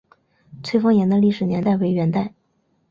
翠峰岩的历史年代为元代。